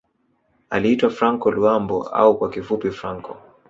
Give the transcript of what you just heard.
Aliitwa Franco Luambo au kwa kifupi Franco